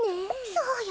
そうよ